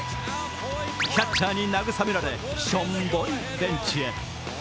キャッチャーに慰められ、しょんぼりベンチへ。